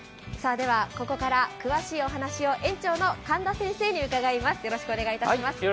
ではここから詳しいお話を園長の神田先生に伺います。